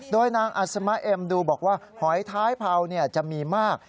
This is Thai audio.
โดยนางอัศมะเอ็มดูบอกว่าหอยท้ายเผาจะมีมาก